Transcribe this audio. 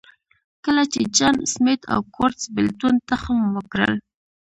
کله چې جان سمېت او کورټس بېلتون تخم وکرل.